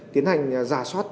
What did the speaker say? tiến hành giả soát